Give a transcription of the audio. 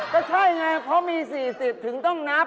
ก็ใช่ไงเพราะมี๔๐ถึงต้องนับ